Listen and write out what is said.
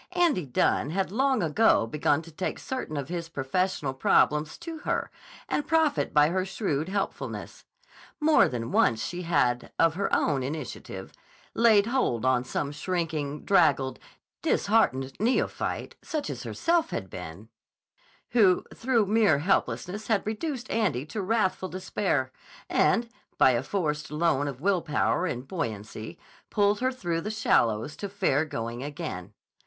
Andy Dunne had long ago begun to take certain of his professional problems to her and profit by her shrewd helpfulness. More than once she had, of her own initiative, laid hold on some shrinking, draggled, disheartened neophyte, such as she herself had been, who through mere helplessness had reduced Andy to wrathful despair, and, by a forced loan of will power and buoyancy, pulled her through the shallows to fair going again.